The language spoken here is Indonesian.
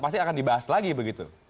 pasti akan dibahas lagi begitu